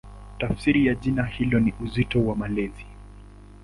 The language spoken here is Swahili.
Tafsiri ya jina hilo ni "Uzito wa Malezi".